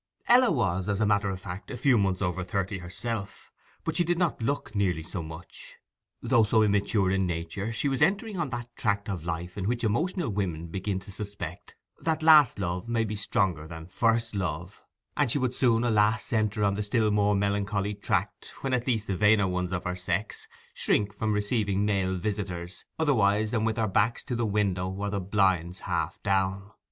Ella was, as a matter of fact, a few months over thirty herself; but she did not look nearly so much. Though so immature in nature, she was entering on that tract of life in which emotional women begin to suspect that last love may be stronger than first love; and she would soon, alas, enter on the still more melancholy tract when at least the vainer ones of her sex shrink from receiving a male visitor otherwise than with their backs to the window or the blinds half down.